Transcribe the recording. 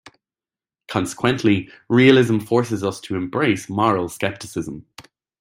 Consequently, realism forces us to embrace moral skepticism.